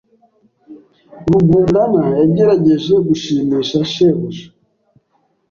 Rugundana yagerageje gushimisha shebuja.